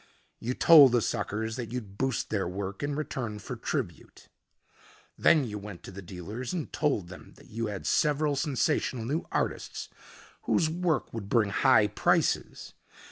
You told the suckers that you'd boost their work in return for tribute. Then you went to the dealers and told them that you had several sensational new artists whose work would bring high prices.